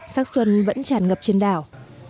sắc xuân vẫn chẳng ngập trên đảo